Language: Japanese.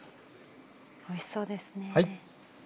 おいしそうですね。